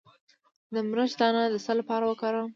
د مرچ دانه د څه لپاره وکاروم؟